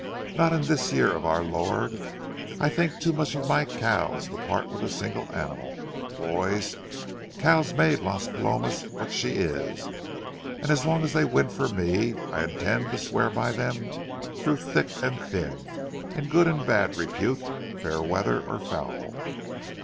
Not in this year of our Lord. I think too much of my cows to part with a single animal. Boys, cows made Las Palomas what she is, and as long as they win for me, I intend—to swear by them through thick and thin, in good and bad repute, fair weather or foul.